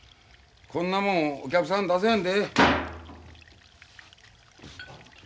こんなもんお客さんに出せへんで。